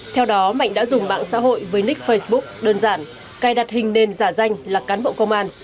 theo đó mạnh đã dùng mạng xã hội với nick facebook đơn giản cài đặt hình nền giả danh là cán bộ công an